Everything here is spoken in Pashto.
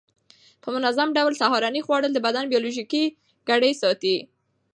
په منظم ډول سهارنۍ خوړل د بدن بیولوژیکي ګړۍ ساتي.